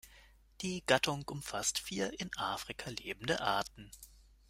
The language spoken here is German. Die Gattung umfasst vier in Afrika lebende Arten.